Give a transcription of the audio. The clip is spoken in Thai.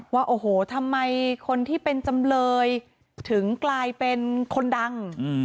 ว่าโอ้โหทำไมคนที่เป็นจำเลยถึงกลายเป็นคนดัง